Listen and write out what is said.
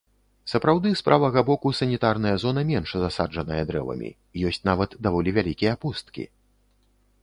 Сапраўды, з правага боку санітарная зона менш засаджаная дрэвамі, ёсць нават даволі вялікія пусткі.